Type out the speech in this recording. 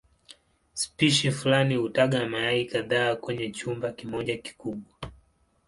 Spishi fulani hutaga mayai kadhaa kwenye chumba kimoja kikubwa.